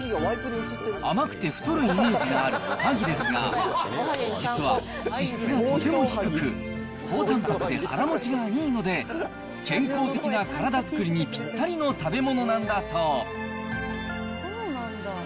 甘くて太るイメージがあるおはぎですが、実は脂質がとても低く、高たんぱくで腹持ちがいいので、健康的な体作りにぴったりの食べうん。